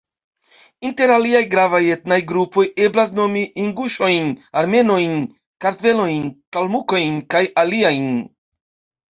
Inter aliaj gravaj etnaj grupoj eblas nomi inguŝojn, armenojn, kartvelojn, kalmukojn kaj aliajn.